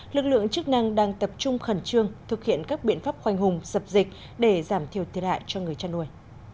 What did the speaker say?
lực lượng chức năng đang tập trung khẩn trương thực hiện các biện pháp khoanh hùng dập dịch để giảm thiểu thiệt hại cho người chăn nuôi